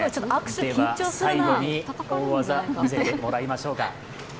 では最後に大技、見せてもらいましょうか。